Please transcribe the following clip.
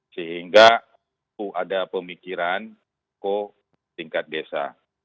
sehingga itu ada pemikiran kos kos di tingkat desa